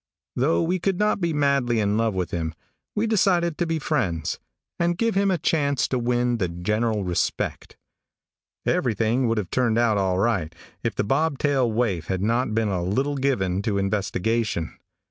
Though we could not be madly in love with him, we decided to be friends, and give him a chance to win the general respect. Everything would have turned out all right if the bobtail waif had not been a little given to investigation.